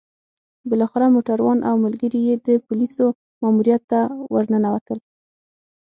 بالاخره موټروان او ملګري يې د پوليسو ماموريت ته ورننوتل.